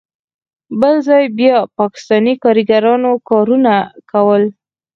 بل ځای بیا پاکستانی کاریګرانو کارونه کول.